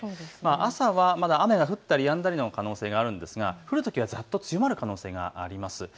朝はまだ雨が降ったりやんだりの可能性があるんですが降るときはざっと強まる可能性があります。